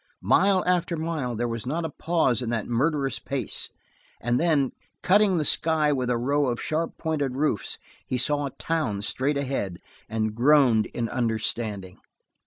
Mile after mile there was not a pause in that murderous pace, and then, cutting the sky with a row of sharply pointed roofs, he saw a town straight ahead and groaned in understanding.